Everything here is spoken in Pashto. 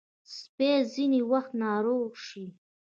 سپي ځینې وخت ناروغ شي.